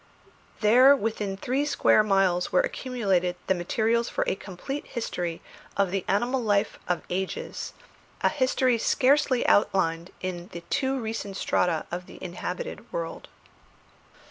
There within three square miles were accumulated the materials for a complete history of the animal life of ages, a history scarcely outlined in the too recent strata of the inhabited world.